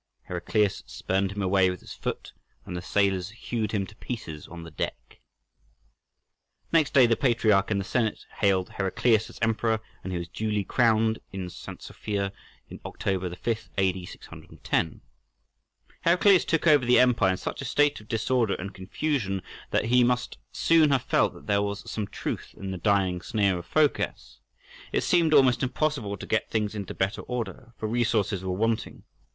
Heraclius spurned him away with his foot, and the sailors hewed him to pieces on the deck. Next day the patriarch and the senate hailed Heraclius as emperor, and he was duly crowned in St. Sophia on October 5, A.D. 610. Heraclius took over the empire in such a state of disorder and confusion that he must soon have felt that there was some truth in the dying sneer of Phocas. It seemed almost impossible to get things into better order, for resources were wanting.